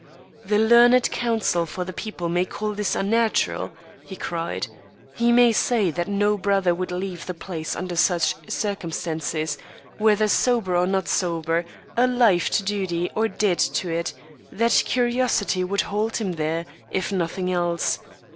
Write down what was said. "The learned counsel for the people may call this unnatural," he cried. "He may say that no brother would leave the place under such circumstances, whether sober or not sober, alive to duty or dead to it that curiosity would hold him there, if nothing else.